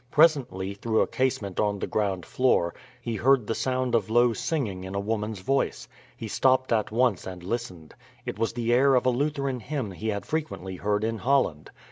Presently, through a casement on the ground floor, he heard the sound of low singing in a woman's voice. He stopped at once and listened. It was the air of a Lutheran hymn he had frequently heard in Holland.